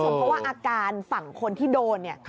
เพราะว่าอาการฝั่งคนที่โดนเนี่ย